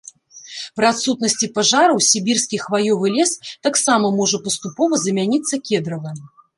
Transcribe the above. Пры адсутнасці пажараў сібірскі хваёвы лес таксама можа паступова замяніцца кедравым.